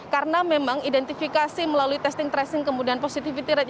karena memang identifikasi melalui testing tracing kemudian positivity rate